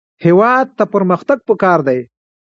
هېواد ته پرمختګ پکار دی